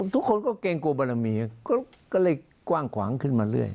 ทุกคนก็เกรงกลัวบารมีก็เลยกว้างขวางขึ้นมาเรื่อย